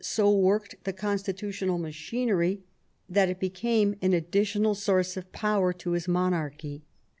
so worked the constitutional machinery that it became an addi tional source of power to his monarchy.